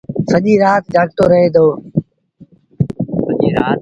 سڄيٚ رآت جآڳتو رهي دو۔